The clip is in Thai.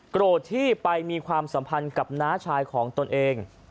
โกรธที่ไปมีความสัมพันธ์กับน้าชายของตนเอง